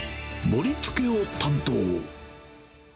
盛りつけを担当。